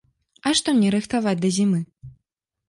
А што мне рыхтаваць да зімы?